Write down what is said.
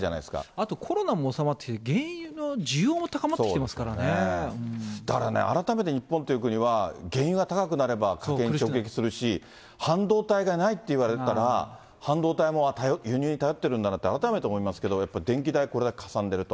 あとコロナも収まってきて、原油の需要も高まってきていますだからね、改めて日本という国は、原油が高くなれば家庭に直撃するし、半導体がないっていわれたら、半導体も輸入に頼ってるんだなって改めて思いますけど、やっぱり電気代、これがかさんでると。